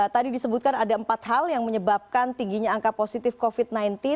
tadi disebutkan ada empat hal yang menyebabkan tingginya angka positif covid sembilan belas